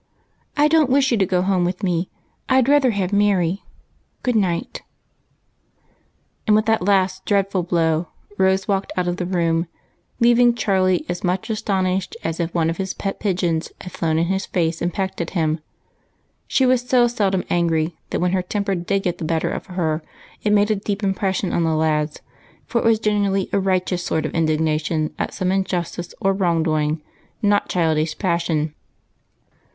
I don't wish you to go home with me. I 'd rather have Mary. Good night." PEACE MAKING. 273 And with that last dreadful blow, Rose walked out of the room, leaving Charlie as much astonished as if one of his pet pigeons had flown in his face and pecked at him. She was so seldom angry, that when her temper did get the better of her it made a deep im pression on the lads, for it w^as generally a righteous sort of indignation at some injustice or wrong doing, not childish passion.